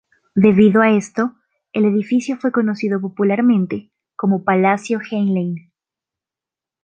Debido a esto, el edificio fue conocido popularmente como "Palacio Heinlein".